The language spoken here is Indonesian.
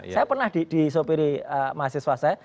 saya pernah disopiri mahasiswa saya